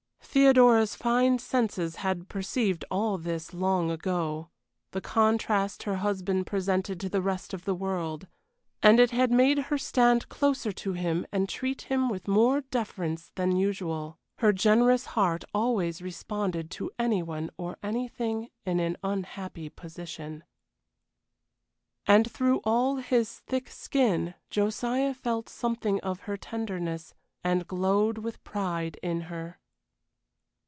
Theodora's fine senses had perceived all this long ago the contrast her husband presented to the rest of the world and it had made her stand closer to him and treat him with more deference than usual; her generous heart always responded to any one or anything in an unhappy position. And through all his thick skin Josiah felt something of her tenderness, and glowed with pride in her.